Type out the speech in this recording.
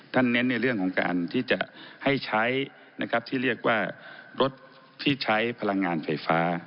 เน้นในเรื่องของการที่จะให้ใช้นะครับที่เรียกว่ารถที่ใช้พลังงานไฟฟ้า